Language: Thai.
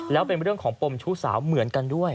แล้วเป็นเรื่องของปมชู้สาวเหมือนกันด้วย